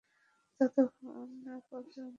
ততক্ষণ পর্যন্ত সামলাও।